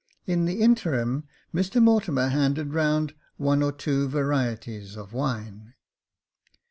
In the interim, Mr Mortimer handed round one or two varieties of wine.